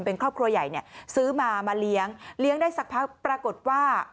เป็นครอบครัวใหญ่เนี่ยซื้อมามาเลี้ยงเลี้ยงได้สักพักปรากฏว่า